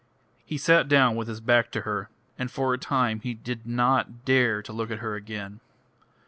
He sat down with his back to her, and for a time he did not dare to look at her again.